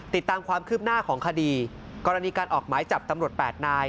ติดตามความคืบหน้าของคดีกรณีการออกหมายจับตำรวจ๘นาย